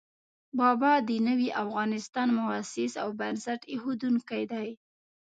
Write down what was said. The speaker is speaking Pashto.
بابا د نوي افغانستان مؤسس او بنسټ اېښودونکی دی.